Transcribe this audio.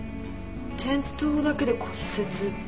転倒だけで骨折ですか？